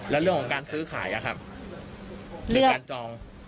แล้วเรื่องของการซื้อขายหรือการจอง